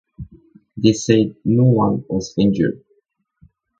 They said no one was injured.